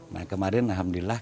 nah kemarin alhamdulillah